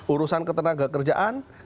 urusan ketenaga kerjaan